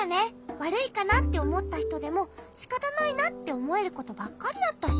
わるいかなっておもったひとでもしかたないなっておもえることばっかりだったし。